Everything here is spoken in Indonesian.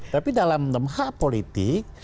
tapi dalam hak politik